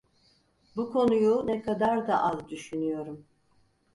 Bu konuyu ne kadar da az düşünüyorum…